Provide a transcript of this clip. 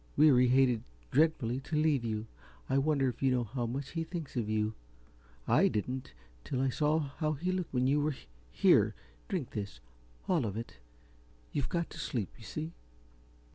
Weary hated dreadfully to leave you. I wonder if you know how much he thinks of you? I didn't, till I saw how he looked when you here, drink this, all of it. You've got to sleep, you see."